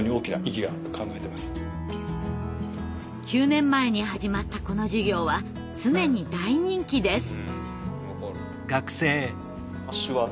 ９年前に始まったこの授業は常に大人気です。